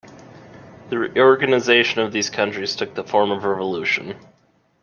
The reorganization of these countries took the form of revolution.